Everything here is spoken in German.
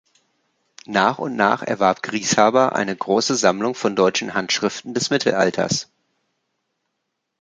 Nach und nach erwarb Grieshaber eine große Sammlung von deutschen Handschriften des Mittelalters.